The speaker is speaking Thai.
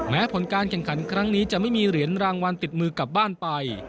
แม้ผลการแข่งขันครั้งนี้จะไม่มีเหรียญรางวัลติดมือกลับบ้านไป